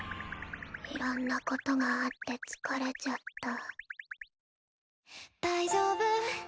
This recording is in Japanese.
⁉いろんなことがあって疲れちゃった。